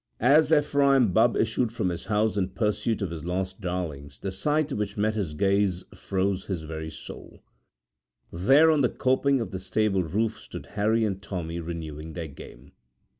As Ephraim Bubb issued from his house in pursuit of his lost darlings, the sight which met his gaze froze his very soul. There, on the coping of the stable roof, stood Harry and Tommy renewing their game.